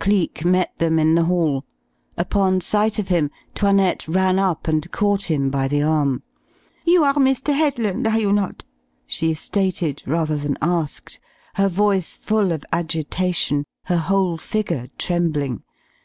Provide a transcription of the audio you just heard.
Cleek met them in the hall. Upon sight of him 'Toinette ran up and caught him by the arm. "You are Mr. Headland, are you not?" she stated rather than asked, her voice full of agitation, her whole figure trembling.